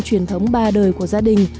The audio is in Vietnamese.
truyền thống ba đời của gia đình